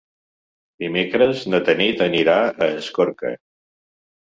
Dimecres na Tanit anirà a Escorca.